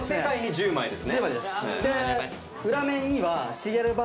１０枚です。